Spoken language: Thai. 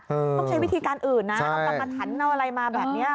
ต้องใช้วิธีการอื่นนะเอากรรมถันเอาอะไรมาแบบนี้